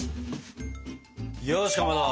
よしかまど